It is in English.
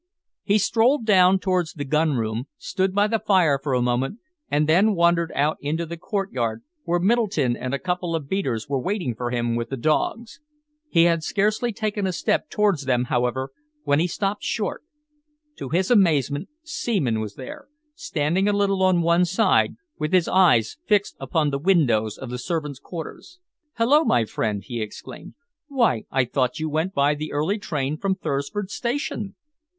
He strolled down towards the gun room, stood by the fire for a moment, and then wandered out into the courtyard, where Middleton and a couple of beaters were waiting for him with the dogs. He had scarcely taken a step towards them, however, when he stopped short. To his amazement Seaman was there, standing a little on one side, with his eyes fixed upon the windows of the servants' quarters. "Hullo, my friend!" he exclaimed. "Why, I thought you went by the early train from Thursford Station?"